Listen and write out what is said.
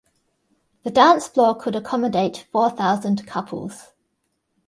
The dance floor could accommodate four thousand couples.